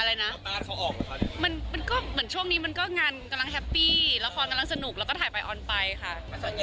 อะไรนะเราต้านเขาออกหรอค่ะมันมันก็เหมือนช่วงนี้มันก็งานกำลังแฮปปี้ละครกำลังสนุกแล้วก็ถ่ายไปออนไปค่ะ